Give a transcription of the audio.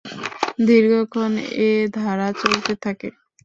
দীর্ঘক্ষণ এ ধারা চলতে থাকে।